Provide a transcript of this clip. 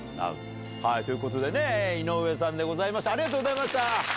ということで井上さんでしたありがとうございました。